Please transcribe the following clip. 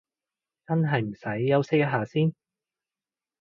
真係唔使休息一下先？